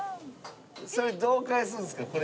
それどう返すんすか？